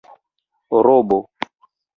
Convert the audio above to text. robo